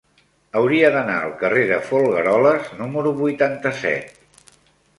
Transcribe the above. Hauria d'anar al carrer de Folgueroles número vuitanta-set.